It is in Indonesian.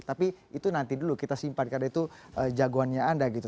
tapi itu nanti dulu kita simpan karena itu jagoannya anda gitu